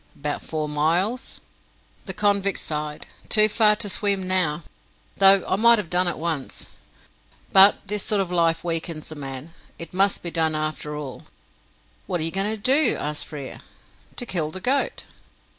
"About four miles." The convict sighed. "Too far to swim now, though I might have done it once. But this sort of life weakens a man. It must be done after all." "What are you going to do?" asked Frere. "To kill the goat."